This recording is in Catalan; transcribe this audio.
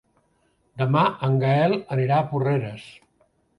Demà en Gaël anirà a Porreres.